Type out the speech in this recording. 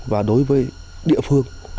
và đối với địa phương